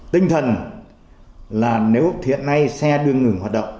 tinh thần là nếu hiện nay xe đưa ngừng hoạt động